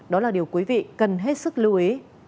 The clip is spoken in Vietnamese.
đó là điều quý vị cần hết sức lưu ý